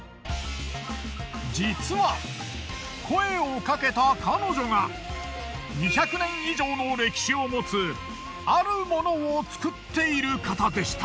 実は声をかけた彼女が２００年以上の歴史を持つある物を作っている方でした。